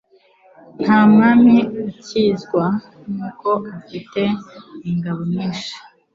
Nta mwami ukizwa n’uko afite ingabo nyinshi